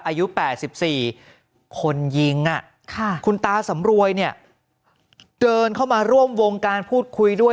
อายุแปดสิบสี่คนยิงอ่ะค่ะคุณตาสำรวยเนี้ยเดินเข้ามาร่วมวงการพูดคุยด้วย